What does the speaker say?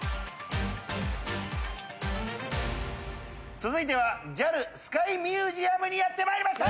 続いてはＪＡＬスカイミュージアムにやって参りました！